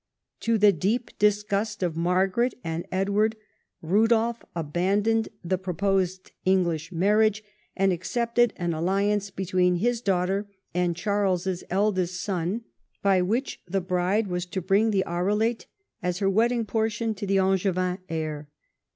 To the deep disgust of ]\Iargaret and Edward, Rudolf abandoned the pro posed English marriage, and accepted an alliance between his daughter and Charles's eldest son, by which the bride was to bring the Arelate as her wedding portion to the Angevin heir.